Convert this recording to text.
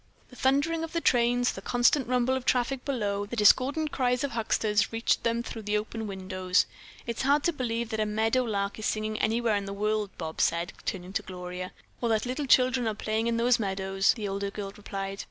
The thundering of the trains, the constant rumble of traffic below, the discordant cries of hucksters, reached them through the open windows. "It's hard to believe that a meadow lark is singing anywhere in the world," Bobs said, turning to Gloria. "Or that little children are playing in those meadows," the older girl replied.